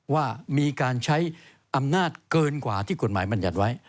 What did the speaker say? ว่ามีการใช้อำนาจเกินกว่าที่กฎหมายบรรยัติไว้